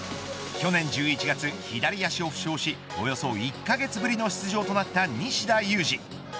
去年１１月左足を負傷しおよそ１カ月ぶりの出場となった西田有志。